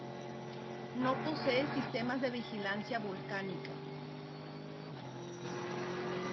No posee sistemas de vigilancia volcánica.